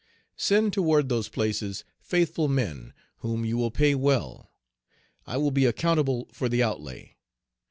Send toward those places faithful men, whom you will pay well; I will be accountable for the outlay.